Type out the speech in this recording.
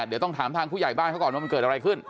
เดี๋ยวต้องถามทางผู้ใหญ่บ้านเขาก่อนว่ามันเกิดอะไรขึ้น